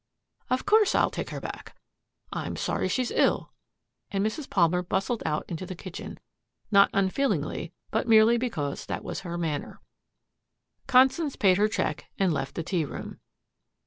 "Of course I'll take her back. I'm sorry she's ill," and Mrs. Palmer bustled out into the kitchen, not unfeelingly but merely because that was her manner. Constance paid her check and left the tea room.